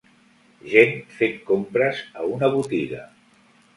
Gent fent compres a una botiga.